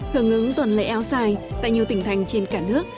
hưởng ứng tuần lễ áo dài tại nhiều tỉnh thành trên cả nước